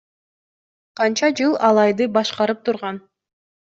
Канча жыл Алайды башкарып турган.